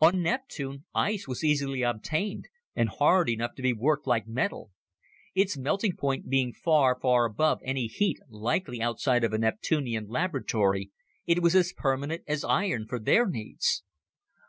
On Neptune, ice was easily obtained and hard enough to be worked like metal. Its melting point being far, far above any heat likely outside of a Neptunian laboratory, it was as permanent as iron for their needs!